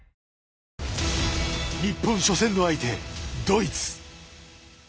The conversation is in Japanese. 日本初戦の相手、ドイツ。